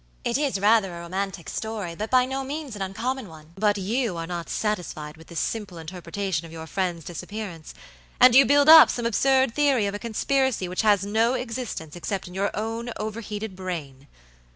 It is rather a romantic story, but by no means an uncommon one. But you are not satisfied with this simple interpretation of your friend's disappearance, and you build up some absurd theory of a conspiracy which has no existence except in your own overheated brain.